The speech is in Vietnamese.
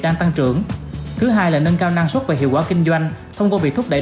đang tăng trưởng thứ hai là nâng cao năng suất và hiệu quả kinh doanh thông qua việc thúc đẩy